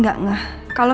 nyana udah aja kan